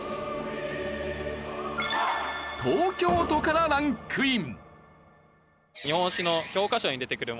東京都からランクイン。